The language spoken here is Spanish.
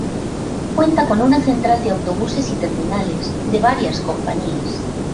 Cuenta con una Central de Autobuses y terminales de varias compañías.